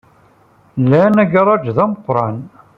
Lan agaṛaj d ameqran.